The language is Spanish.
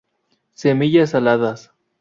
Semillas aladas.